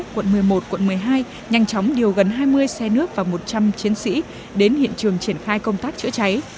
quận một mươi một quận một mươi hai nhanh chóng điều gần hai mươi xe nước và một trăm linh chiến sĩ đến hiện trường triển khai công tác chữa cháy